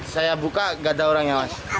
saya buka tidak ada orangnya mas